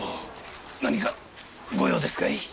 何かご用ですかい？